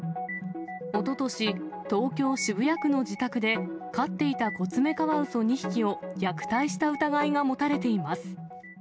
おととし、東京・渋谷区の自宅で飼っていたコツメカワウソ２匹を、虐待した疑いが持たれています。